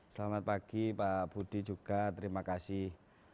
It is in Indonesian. selamat pagi pak budi juga terima kasih